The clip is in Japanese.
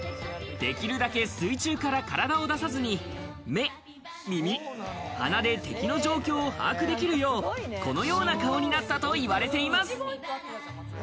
できるだけ水中から体を出さずに目、耳、鼻で敵の状況を把握できるよう、このような顔になったといわれています。